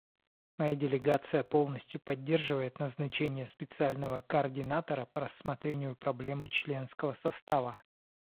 Моя делегация полностью поддерживает назначение специального координатора по рассмотрению проблемы членского состава.